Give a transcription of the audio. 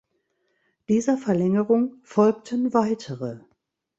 Dieser Verlängerung folgten weitere.